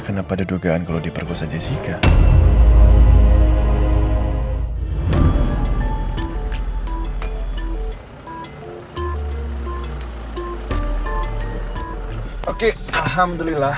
kenapa ada dugaan kalau dia perkosa jessica